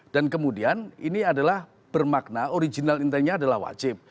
dan kemudian ini adalah bermakna original intainya adalah wajib